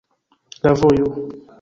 La vojo.